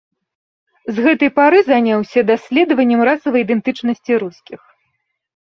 З гэтай пары заняўся даследаваннем расавай ідэнтычнасці рускіх.